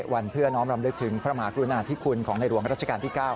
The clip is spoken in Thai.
วันเพื่อน้อมรำลึกถึงพระมหากรุณาธิคุณของในหลวงรัชกาลที่๙